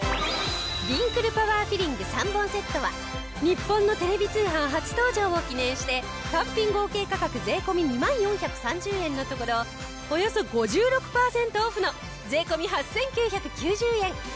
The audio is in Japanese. リンクルパワーフィリング３本セットは日本のテレビ通販初登場を記念して単品合計価格税込２万４３０円のところおよそ５６パーセントオフの税込８９９０円。